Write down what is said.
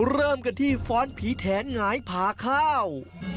เริ่มกันที่ฟ้อนผีแถนหงายผาข้าว